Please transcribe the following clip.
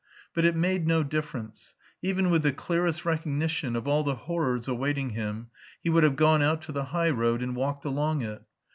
But it made no difference; even with the clearest recognition of all the horrors awaiting him he would have gone out to the high road and walked along it!